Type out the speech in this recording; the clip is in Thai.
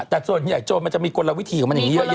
แต่ส่วนใหญ่โจมต์มันจะมีกลไลวิธีของมันอย่างเยอะแยะแหละ